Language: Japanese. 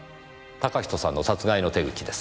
嵩人さんの殺害の手口です。